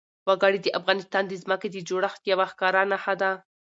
وګړي د افغانستان د ځمکې د جوړښت یوه ښکاره نښه ده.